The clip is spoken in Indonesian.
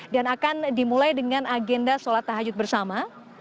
dan akan dimulai dengan agenda sholat tahajud bersama